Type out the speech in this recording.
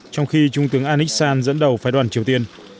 trong khi trung tướng an iksan dẫn đầu phái đoàn triều tiên